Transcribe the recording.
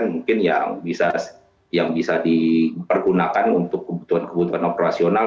mungkin yang bisa dipergunakan untuk kebutuhan kebutuhan operasional